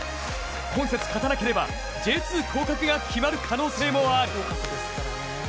今節、勝たなければＪ２降格が決まる可能性もある。